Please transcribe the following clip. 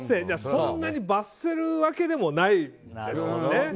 じゃあ、そんなに罰せるわけでもないんですね。